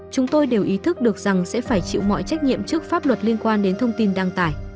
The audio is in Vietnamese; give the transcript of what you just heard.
chúng tôi đều ý thức được rằng sẽ phải chịu mọi trách nhiệm trước pháp luật liên quan đến thông tin đăng tải